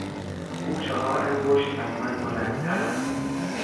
او چهار انگشت از من بلندتر است.